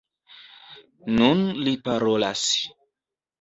Nun li parolas.